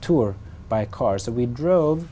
ở những thành phố